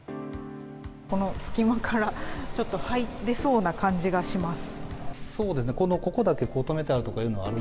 この隙間から入れそうな感じがします。